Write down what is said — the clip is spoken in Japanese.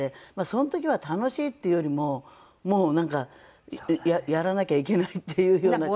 その時は楽しいっていうよりももうなんかやらなきゃいけないっていうような。